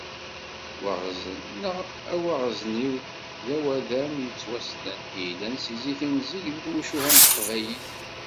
Waɣzen, neɣ awaɣezniw d awadem yettwassnen, i yellan si zik n zik di tmucuha n teqbaylit.